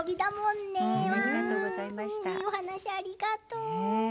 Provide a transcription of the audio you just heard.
いいお話ありがとう。